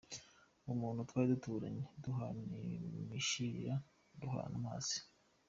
Uwo muntu twari duturanye, duhana ibishirira, duhana amazi.